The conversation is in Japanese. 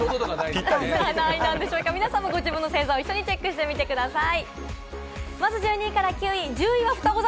皆さんもご自分の星座を一緒にチェックしてみてください。